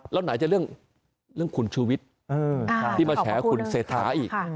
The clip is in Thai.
แล้วไหนจะเรื่องคุณชูวิทย์ที่มาแฉคุณเศรษฐาอีก